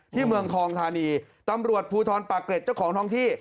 ที่เมืองทองธานีตำรวจภูทรปรากฤษเจ้าของทองที่